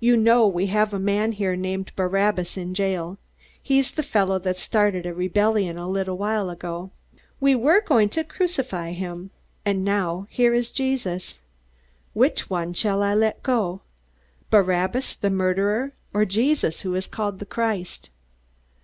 You know we have a man named Barabbas in jail he's the fellow that started a rebellion a little while ago. We were going to crucify him. And now here is Jesus. Which one shall I let go? Barabbas the murderer or Jesus who is called the Christ?"